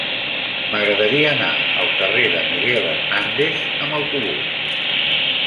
M'agradaria anar al carrer de Miguel Hernández amb autobús.